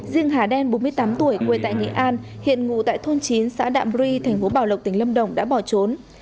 riêng hà đen bốn mươi tám tuổi quê tại nghệ an hiện ngụ tại thôn chín xã đạm ri thành phố bảo lộc tỉnh lâm đồng đã bỏ trốn